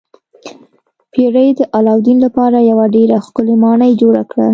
پیري د علاوالدین لپاره یوه ډیره ښکلې ماڼۍ جوړه کړه.